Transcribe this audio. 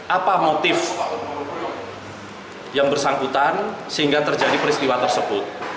apa motif yang bersangkutan sehingga terjadi peristiwa tersebut